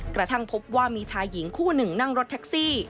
กระทั่งพบว่ามีชายหญิงคู่หนึ่งนั่งรถแท็กซี่